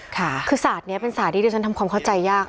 ค่ะคือศาสตร์นี้เป็นศาสตร์ที่ดิฉันทำความเข้าใจยาก